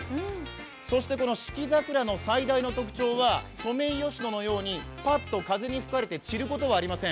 そして四季桜の最大の特徴は、ソメイヨシノのようにパッと風に吹かれて散ることはありません。